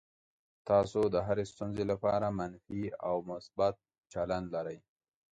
تاسو د هرې ستونزې لپاره منفي او مثبت چلند لرئ.